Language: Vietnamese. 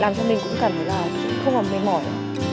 làm cho mình cũng cần phải là không có mệt mỏi